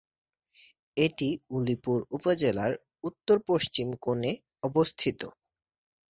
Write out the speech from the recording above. এটি উলিপুর উপজেলার উত্তর পশ্চিম কোণে অবস্থিত।